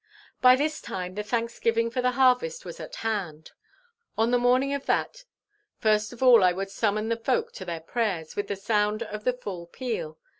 By this time the thanksgiving for the harvest was at hand: on the morning of that first of all would I summon the folk to their prayers with the sound of the full peal.